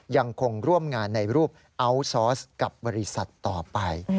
ยังคงร่วมงานในรูปอัลซอสกับบริษัทต่อไป